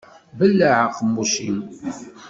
Belleɛ aqemmuc-im.